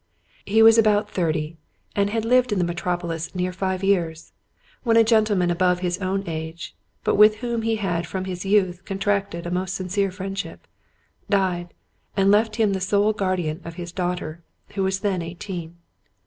He was about thirty, and had lived in the metropolis near five years, when a gentleman above his own age, but with whom he had from his youth contracted a most sincere friendship, died, and left him the sole guardian of his daughter, who was then eighteen.